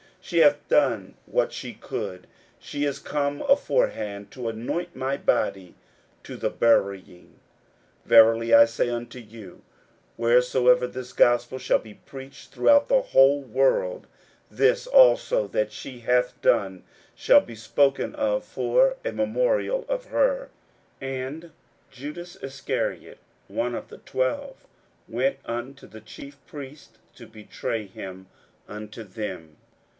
41:014:008 She hath done what she could: she is come aforehand to anoint my body to the burying. 41:014:009 Verily I say unto you, Wheresoever this gospel shall be preached throughout the whole world, this also that she hath done shall be spoken of for a memorial of her. 41:014:010 And Judas Iscariot, one of the twelve, went unto the chief priests, to betray him unto them.